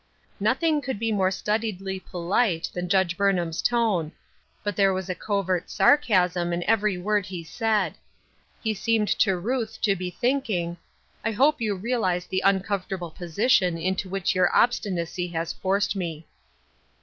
Nothing could I e more studiedly polite than Judge Burn ham's tone ; but there was a covert Embarrassment and Merriment. 281 sarcasm in every word he said. He seemed to Ruth to be thinking, " I hope you realize the uncomfortable position into which your obsti nacy has forced me."